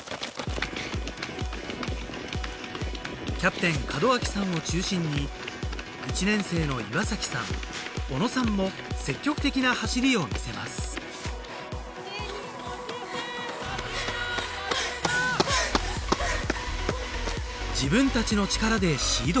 キャプテン門脇さんを中心に１年生の岩崎さん小野さんも積極的な走りを見せますハァハァハァ。